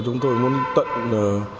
chúng tôi muốn tận